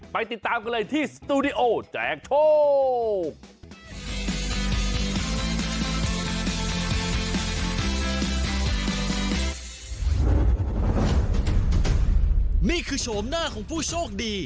ติดตามกันเลยที่สตูดิโอแจกโชค